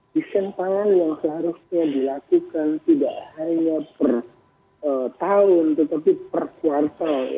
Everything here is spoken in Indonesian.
desain pangan yang seharusnya dilakukan tidak hanya per tahun tetapi per kuartal